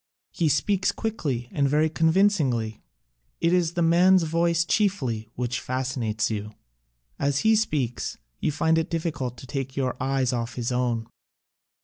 He speaks quickly and very convinc ingly. It is the man's voice chiefly which fascinates you. As he speaks you find it difficult to take your eyes off his own.